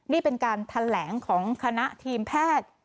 นี่เป็นการแถลงของคณะทีมแพทย์